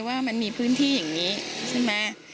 ว่ามันมีพื้นที่อย่างนี้ใช่ไหม